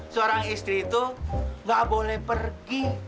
seorang istri itu gak boleh pergi